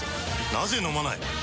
なぜ飲まない？